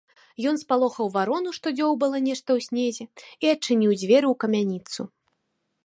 Ён спалохаў варону, што дзёўбала нешта ў снезе, і адчыніў дзверы ў камяніцу.